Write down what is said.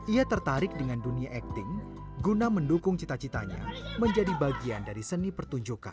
ia tertarik dengan dunia acting guna mendukung cita citanya menjadi bagian dari seni pertunjukan